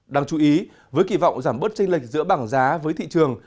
đáng chú ý với kỳ vọng giảm bớt tranh lệch giữa bảng giá với thị trường